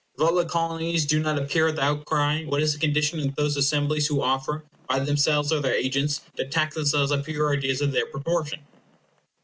If all the Colonies do not appear at the outcry, what is the condition of those assemblies who offer, by themselves or their agents, to tax themselves up to your ideas of their proportion?